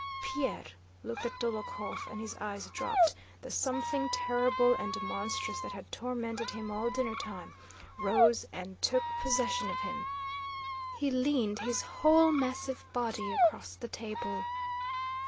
Pierre looked at Dólokhov and his eyes dropped, the something terrible and monstrous that had tormented him all dinnertime rose and took possession of him. He leaned his whole massive body across the table.